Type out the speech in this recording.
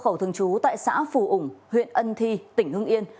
phòng an ninh điều tra công an tỉnh phủ ủng huyện ân thi tỉnh hưng yên